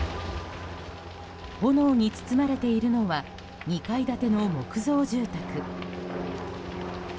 炎に包まれているのは２階建ての木造住宅。